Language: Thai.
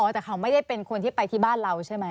แต่เขาไม่ได้เป็นคนที่ไปที่บ้านเราใช่ไหม